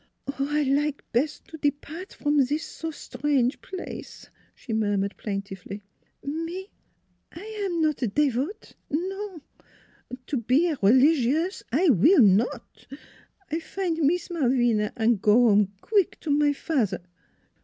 " Oh, I like bes' t' de part from zis so es trange plaice," she murmured plaintively. " Me I am not devote, nonf To be a religieuse I will not. I find Mees Malvina an' go 'ome queek to my fat'er."